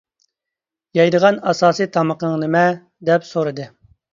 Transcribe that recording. يەيدىغان ئاساسى تامىقىڭ نېمە؟ -دەپ سورىدى.